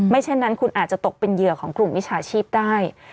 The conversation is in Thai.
เช่นนั้นคุณอาจจะตกเป็นเหยื่อของกลุ่มวิชาชีพได้